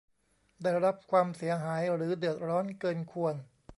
ได้รับความเสียหายหรือเดือดร้อนเกินควร